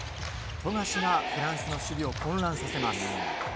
富樫がフランスの守備を混乱させます。